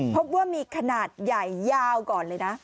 พบว่ามีขนาดใหญ่ยาวก่อนเลยนะ